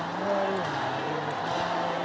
ดีปะ